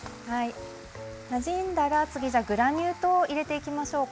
なじんだら、グラニュー糖を入れていきましょうか。